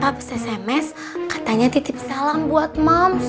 pap sms katanya titip salam buat moms